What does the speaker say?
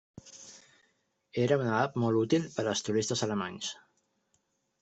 Era una app molt útil per als turistes alemanys.